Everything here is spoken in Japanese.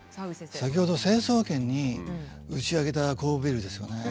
先ほど成層圏に打ち上げた酵母ビールですよね。